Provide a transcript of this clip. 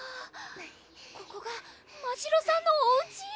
ここがましろさんのおうち？